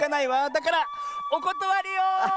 だからおことわりよ！